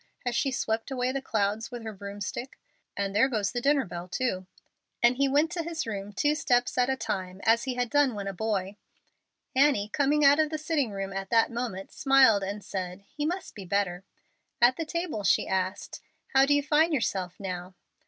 Has she swept away the clouds with her broomstick? And there goes the dinner bell, too;" and he went to his room two steps at a time, as he had done when a boy. Annie coming out of the sitting room at that moment, smiled and said: "He must be better." At the table she asked, "How do you find yourself now?"